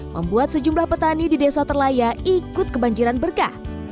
membuat sejumlah petani di desa terlaya ikut kebanjiran berkah